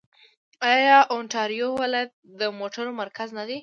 آیا اونټاریو ولایت د موټرو مرکز نه دی؟